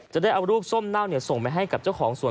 จะได้เอารูปส้มเน่าส่งไปให้กับเจ้าของสวน